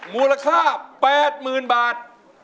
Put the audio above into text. มูลค่า๘๐๐๐บาท